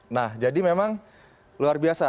nah jadi memang luar biasa